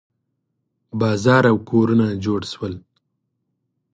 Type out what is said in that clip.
بازار او کورونه جوړ شول.